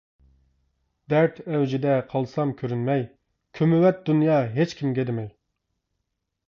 دەرد ئەۋجىدە قالسام كۆرۈنمەي، كۆمۈۋەت دۇنيا، ھېچكىمگە دېمەي.